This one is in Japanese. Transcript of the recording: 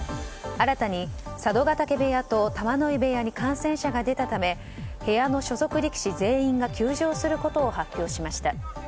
新たに佐渡ケ嶽部屋と玉ノ井部屋に感染者が出たため部屋の所属力士全員が休場することを発表しました。